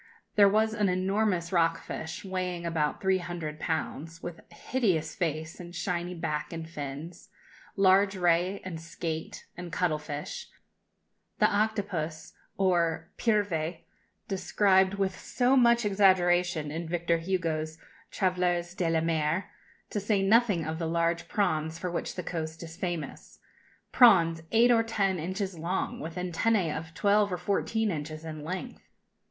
There was an enormous rock fish, weighing about three hundred pounds, with hideous face and shiny back, and fins; large ray, and skate, and cuttle fish the octopus, or pieuvre, described with so much exaggeration in Victor Hugo's "Travailleurs de la Mer," to say nothing of the large prawns for which the coast is famous prawns eight or ten inches long, with antennæ of twelve or fourteen inches in length.